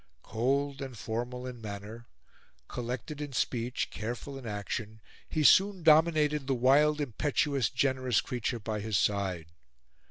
Cold and formal in manner, collected in speech, careful in action, he soon dominated the wild, impetuous, generous creature by his side.